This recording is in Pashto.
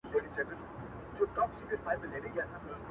• كـــــه ژاړمـــــه كـــه نـــه ژاړم خـــــو تــــه مــــــــي ژړوې؛